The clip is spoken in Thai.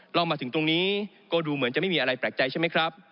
เรามาถึงตรงนี้ก็ดูเหมือนจะไม่มีอะไรแปลกใจใช่ไหมครับ